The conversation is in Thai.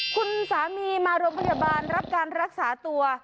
คุณสามีมาโรงพยาบาลรับการรักษาตัว